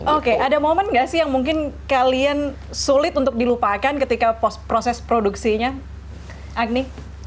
oke ada momen nggak sih yang mungkin kalian sulit untuk dilupakan ketika proses produksinya agni